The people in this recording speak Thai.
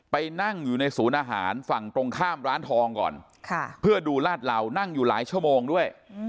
ไปนั่งอยู่ในศูนย์อาหารฝั่งตรงข้ามร้านทองก่อนเพื่อดูลาดเหล่านั่งอยู่หลายชั่วโมงด้วย